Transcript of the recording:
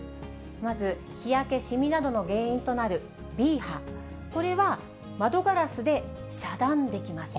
まず日焼け、シミなどの原因となるＢ波、これは、窓ガラスで遮断できます。